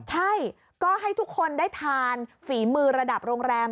ใช่ก็ให้ทุกคนได้ทานฝีมือระดับโรงแรม